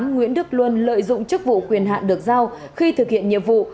nguyễn đức luân lợi dụng chức vụ quyền hạn được giao khi thực hiện nhiệm vụ